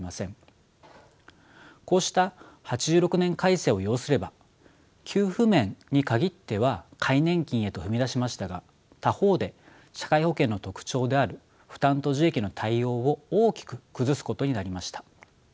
こうした８６年改正を要すれば給付面に限っては皆年金へと踏み出しましたが他方で社会保険の特徴である負担と受益の対応を大きく崩すことになりました。